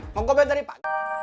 mau komen dari pak